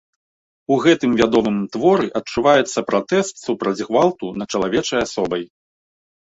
У гэтым вядомым творы адчуваецца пратэст супраць гвалту над чалавечай асобай.